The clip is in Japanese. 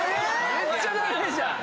めっちゃ駄目じゃん！